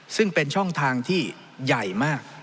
ซึ่งเป็นช่องทางที่ใหญ่มาก